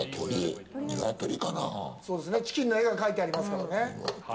チキンの絵が描いてありますからね。